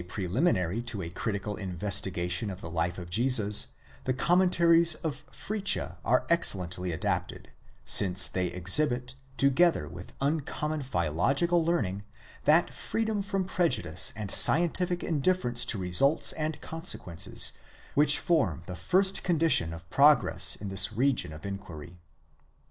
preliminary to a critical investigation of the life of Jesus, the commentaries of Fritzsche are excellently adapted, since they exhibit, together with un 'ommon philological learning, that freedom from prejudice and scientific ndifference to results and consequences, which form the first condition of vrogress in this region of inquiry.